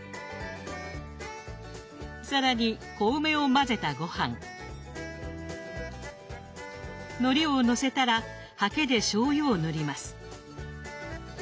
更に小梅を混ぜたごはんのりをのせたらハケでしょうゆを塗ります。